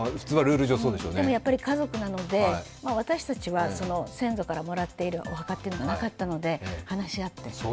でもやっぱり家族なので、私たちは先祖からもらってるお墓というのがなかったので話し合って。